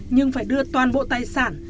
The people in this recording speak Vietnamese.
nhưng phải đưa toàn bộ tài sản